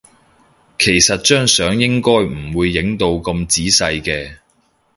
其實張相應該唔會影到咁仔細嘅